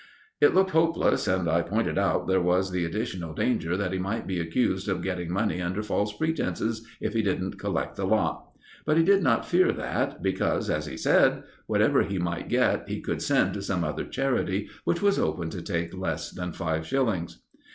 It looked hopeless, and I pointed out there was the additional danger that he might be accused of getting money under false pretences if he didn't collect the lot; but he did not fear that, because, as he said, whatever he might get, he could send to some other charity which was open to take less than five shillings.